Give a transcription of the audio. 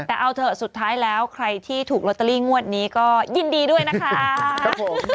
แต่เอาเถอะสุดท้ายแล้วใครที่ถูกลอตเตอรี่งวดนี้ก็ยินดีด้วยนะคะ